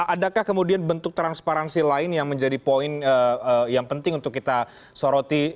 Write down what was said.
adakah kemudian bentuk transparansi lain yang menjadi poin yang penting untuk kita soroti